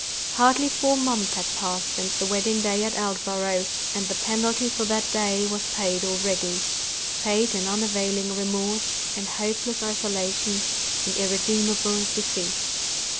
Hardly four months had passed since the wedding day at Aldborough, and the penalty for that day was paid already—paid in unavailing remorse, in hopeless isolation, in irremediable defeat!